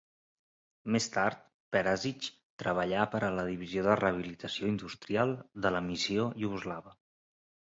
Més tard, Perazich treballà per la divisió de rehabilitació industrial de la missió iugoslava.